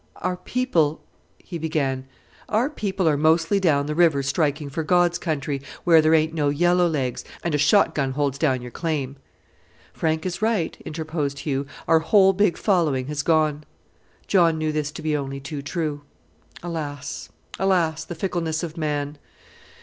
"Our people " he began. "Our people are mostly down the river striking for God's country, where there ain't no yellow legs, and a shot gun holds down your claim!" "Frank is right," interposed Hugh, "our whole big following has gone." John knew this to be only too true. Alas! alas! the fickleness of man.